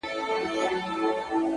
هغه چي ځان زما او ما د ځان بولي عالمه،